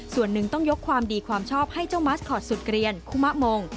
ส่วนหนึ่งต้องยกความดีความชอบให้เจ้ามัสคอตสุดเกลียนคุมะมง